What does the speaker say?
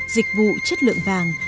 dịch vụ chất lượng vàng